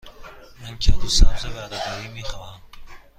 من کدو سبز ورقه ای می خواهم.